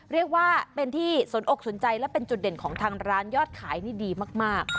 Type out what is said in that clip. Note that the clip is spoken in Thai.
เรียกว่าเป็นที่สนอกสนใจและเป็นจุดเด่นของทางร้านยอดขายนี่ดีมาก